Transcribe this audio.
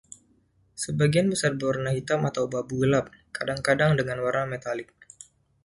Sebagian besar berwarna hitam atau abu-abu gelap, kadang-kadang dengan warna metalik.